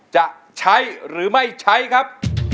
จะใช้หรือไม่ใช้ครับ